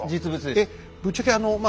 えっぶっちゃけあのまあ